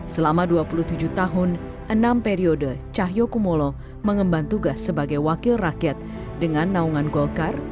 selama dua puluh tujuh tahun enam periode cahyokumolo mengemban tugas sebagai wakil rakyat dengan naungan golkar